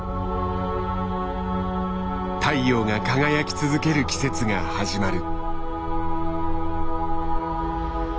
太陽が輝き続ける季節が始まる。